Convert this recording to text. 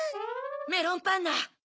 メロンパンナ！